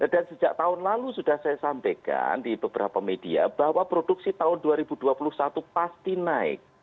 dan sejak tahun lalu sudah saya sampaikan di beberapa media bahwa produksi tahun dua ribu dua puluh satu pasti naik